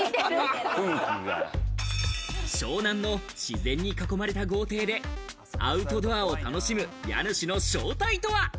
湘南の自然に囲まれた豪邸でアウトドアを楽しむ家主の正体とは？